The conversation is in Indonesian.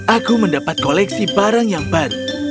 aku mendapat koleksi barang yang baru